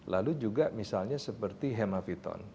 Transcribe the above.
lalu juga misalnya seperti hemaviton